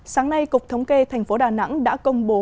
sáng nay cục thống kê tp đà nẵng đã công bố